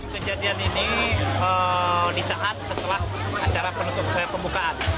kejadian ini disaat setelah acara penutup pembukaan